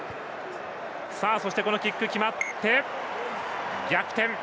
そして、キックが決まって逆転！